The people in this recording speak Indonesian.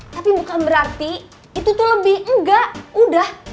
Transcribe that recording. tapi bukan berarti itu tuh lebih enggak udah